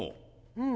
うん。